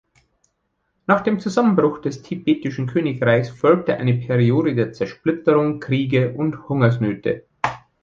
Nach dem Zusammenbruch des tibetischen Königreiches folgte eine Periode der Zersplitterung, Kriege und Hungersnöte.